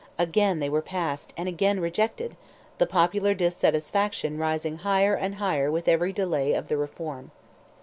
Again they were passed, and again rejected, the popular dissatisfaction rising higher and higher with every delay of the reform.